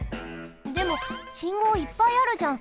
でもしんごういっぱいあるじゃん。